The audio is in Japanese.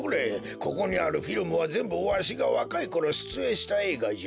ここにあるフィルムはぜんぶわしがわかいころしゅつえんしたえいがじゃ。